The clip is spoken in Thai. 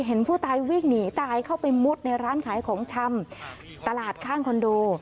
เห็นผู้ตายวิ่งหนีตายเข้าไปมุดในร้านขายของชำตลาดข้างคอนโด